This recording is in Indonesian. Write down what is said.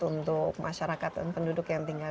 untuk masyarakat dan penduduk yang tinggal